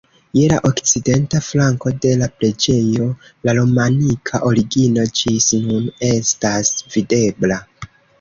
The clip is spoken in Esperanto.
Je la okcidenta flanko de la preĝejo la romanika origino ĝis nun estas videbla.